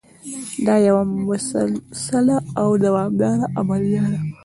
دا یوه مسلسله او دوامداره عملیه ده.